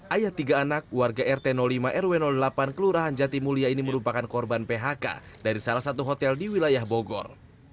ayah tiga anak warga rt lima rw delapan kelurahan jatimulia ini merupakan korban phk dari salah satu hotel di wilayah bogor